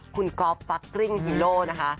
คุณก๊อฟฟักกริ้งฮีโร่นะคะ